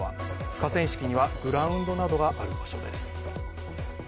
河川敷にはグラウンドなどがある場所です。